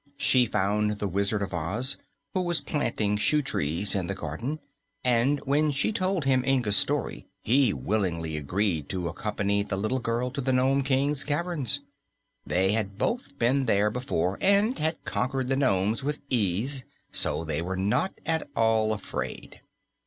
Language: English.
She found the Wizard of Oz, who was planting shoetrees in the garden, and when she told him Inga's story he willingly agreed to accompany the little girl to the Nome King's caverns. They had both been there before and had conquered the nomes with ease, so they were not at all afraid.